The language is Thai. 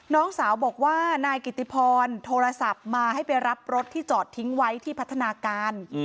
น้องสาวบอกว่านายกิติพรโทรศัพท์มาให้ไปรับรถที่จอดทิ้งไว้ที่พัฒนาการ